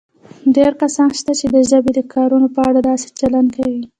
ډېر کسان شته چې د ژبې د کارونې په اړه داسې چلند کوي